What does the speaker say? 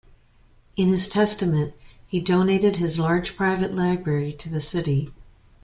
In his testament, he donated his large private library to the city.